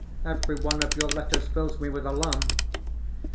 Every one of your letters fills me with alarm.